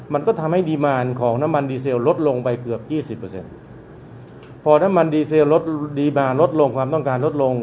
มันก็ทำให้ดีมารของน้ำมันดีเซลลดลงไปเกือบยี่สิบเปอร์เซ็นต์พอน้ำมันดีเซลลดดีมาลดลงความต้องการลดลง